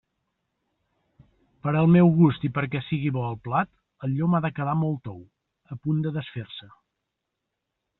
Per al meu gust i perquè sigui bo el plat, el llom ha de quedar molt tou, a punt de desfer-se.